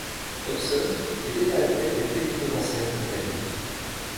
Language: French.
Hobson était à la tête des plénipotentiaires britanniques.